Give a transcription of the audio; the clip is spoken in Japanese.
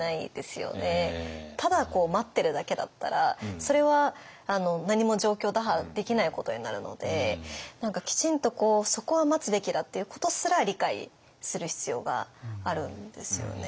ただ待ってるだけだったらそれは何も状況打破できないことになるので何かきちんとそこは待つべきだっていうことすら理解する必要があるんですよね。